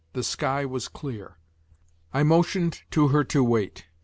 The sky was clear. I motioned to her to wait.